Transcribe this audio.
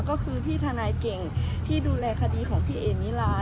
ก็คือพี่ทนายเก่งที่ดูแลคดีของพี่เอมิลา